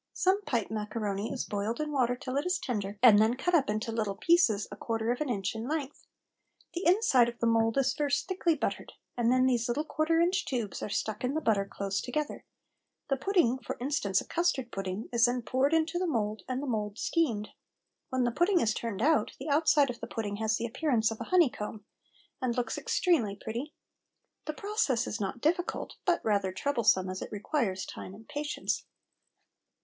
Some pipe macaroni is boiled in water till it is tender, and then cut up into little pieces a quarter of an inch in length. The inside of the mould is first thickly buttered, and then these little quarter inch tubes are stuck in the butter close together; the pudding, for instance a custard pudding, is then poured into the mould and the mould steamed. When the pudding is turned out the outside of the pudding has the appearance of a honey comb, and looks extremely pretty. The process is not difficult, but rather troublesome, as it requires time and patience.